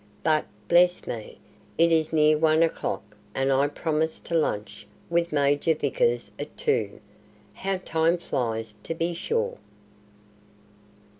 But, bless me, it is near one o'clock, and I promised to lunch with Major Vickers at two. How time flies, to be sure!"